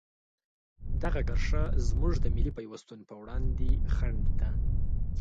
دغه کرښه زموږ د ملي پیوستون په وړاندې خنډ ده.